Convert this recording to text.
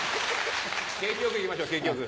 景気よくいきましょう景気よく。